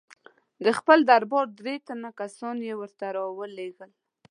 د خپل دربار درې تنه کسان یې ورته را ولېږل.